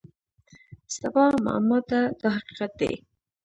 سبا معما ده دا حقیقت دی.